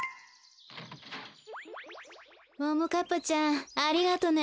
ももかっぱちゃんありがとね。